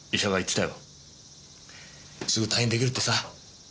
すぐ退院できるってさ。